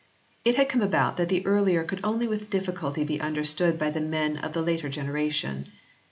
It had come about that the earlier could only with difficulty be under stood by the men of the later generation.